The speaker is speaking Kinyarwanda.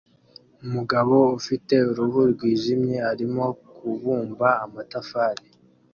Umugabo ufite uruhu rwijimye arimo kubumba amatafari